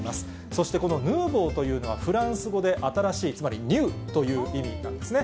そしてこのヌーボーというのはフランス語で新しい、つまりニューという意味なんですね。